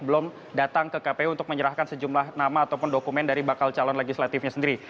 belum datang ke kpu untuk menyerahkan sejumlah nama ataupun dokumen dari bakal calon legislatifnya sendiri